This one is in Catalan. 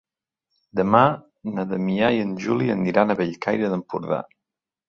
Demà na Damià i en Juli aniran a Bellcaire d'Empordà.